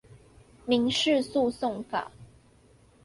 民事訴訟法